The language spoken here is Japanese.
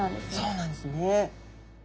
そうなんですよね。